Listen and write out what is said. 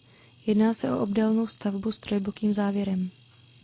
Jedná se o obdélnou stavbu s trojbokým závěrem.